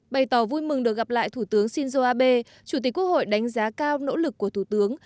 bày tỏ vui mừng được gặp lại thủ tướng shinzo abe chủ tịch quốc hội đánh giá cao nỗ lực của thủ tướng